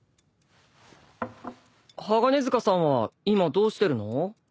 鋼鐵塚さんは今どうしてるの？